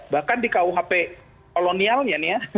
bahkan di kuhp kolonialisasi